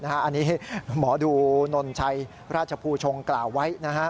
อันนี้หมอดูนนชัยราชภูชงกล่าวไว้นะครับ